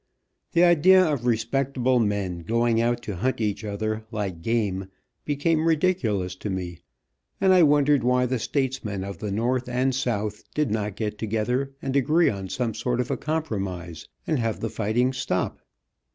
The idea of respectable men going out to hunt each other, like game, became ridiculous to me, and I wondered why the statesmen of the North and South did not get together and agree on some sort of a compromise, and have the fighting stop.